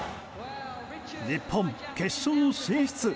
日本、決勝進出。